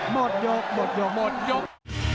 หมดยกหมดยกหมดยก